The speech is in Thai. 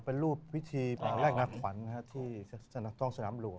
เป็นรูปวิธีแรกหนักขวัญที่ตรงสนามหลวง